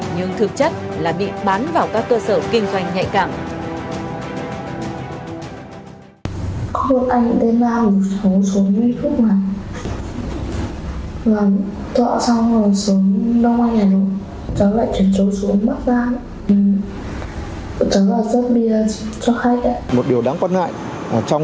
nhưng thực chất là bị bán vào các cơ sở kinh doanh nhạy cảm